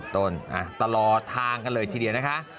ต้นตลอดทางกันเลยทีเดียวนะคะ